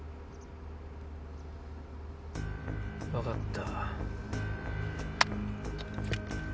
わかった。